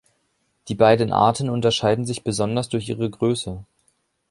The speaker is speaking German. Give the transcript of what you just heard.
Die beiden Arten unterscheiden sich besonders durch ihre Größe.